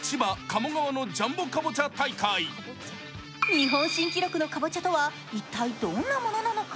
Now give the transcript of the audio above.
日本新記録のかぼちゃとは一体、どんなものなのか？